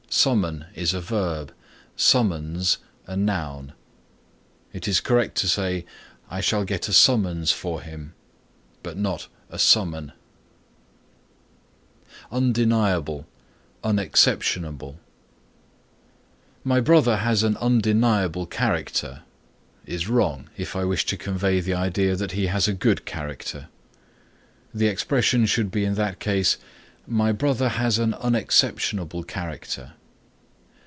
Summon is a verb, summons, a noun. It is correct to say "I shall get a summons for him," not a summon. UNDENIABLE UNEXCEPTIONABLE "My brother has an undeniable character" is wrong if I wish to convey the idea that he has a good character. The expression should be in that case "My brother has an unexceptionable character."